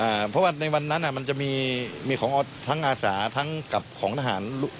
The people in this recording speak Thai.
เพราะว่าในวันนั้นอ่ะมันจะมีมีของทั้งอาสาทั้งกับของทหาร